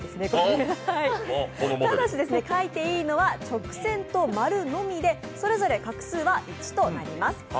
ただし、描いていいのは直線と丸のみでそれぞれ画数は１となります。